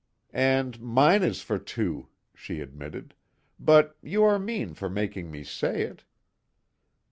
"And mine is for two," she admitted, "But you are mean for making me say it."